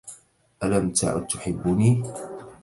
ألم تعد تحبّني؟